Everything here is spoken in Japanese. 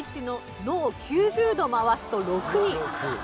「の」を９０度回すと「６」に。